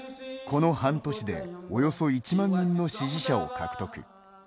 この半年でおよそ１万人の支持者を獲得。